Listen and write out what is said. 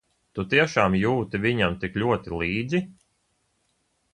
Tu tiešām jūti viņam tik ļoti līdz?